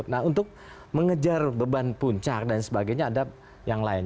nah untuk mengejar beban puncak dan sebagainya ada yang lain